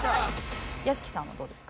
屋敷さんはどうですか？